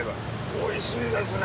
おいしいですね。